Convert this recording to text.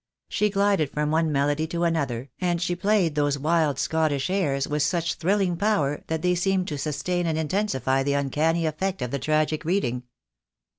She glided from one melody to another, and she played those wild Scottish airs with such thrilling power that they seemed to sustain and intensify the uncanny effect of the tragic reading.